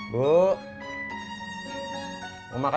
buk mau makan kuenya enggak